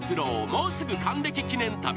もうすぐ還暦記念旅］